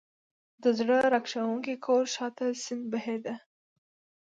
د زړه راکښونکي کور شا ته سیند بهېده.